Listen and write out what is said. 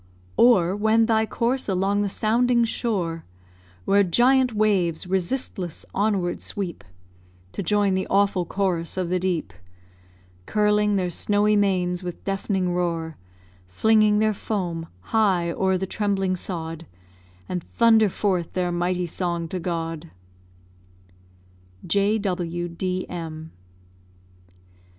Or wend thy course along the sounding shore, Where giant waves resistless onward sweep To join the awful chorus of the deep Curling their snowy manes with deaf'ning roar, Flinging their foam high o'er the trembling sod, And thunder forth their mighty song to God! J.W.D.M.